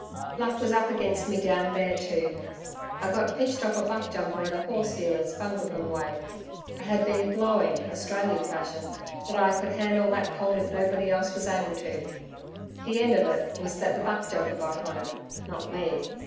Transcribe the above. Luck was up against me down there too. I got pitched off a buckjumper at a horse dealers', Bungroopim way. I had been 'blowing,' Australian fashion, that I could handle that colt if nobody else was able to. The end of it was that the buckjumper got home, not me.